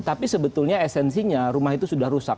tapi sebetulnya esensinya rumah itu sudah rusak